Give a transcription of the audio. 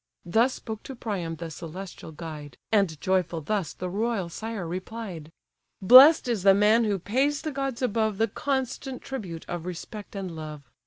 Thus spoke to Priam the celestial guide, And joyful thus the royal sire replied: "Blest is the man who pays the gods above The constant tribute of respect and love!